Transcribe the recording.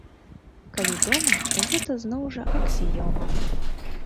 Калі дома, то гэта, зноў жа, аксіёма.